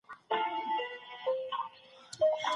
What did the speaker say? فقهاء د معروف معاشرت په اړه څه وايي؟